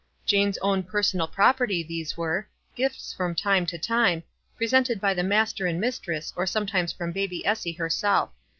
Jane's own personal property, these were, gifts from time to time, presented by the master and mistress, or sometimes from baby Essie herself.